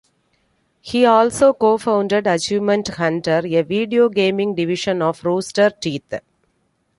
He also co-founded Achievement Hunter, a video gaming division of Rooster Teeth.